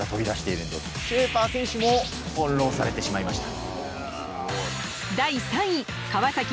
シェーファー選手も翻弄されてしまいました。